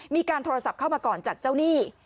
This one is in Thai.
มีการโทรศัพท์เข้ามาก่อนจัดเจ้าหนี้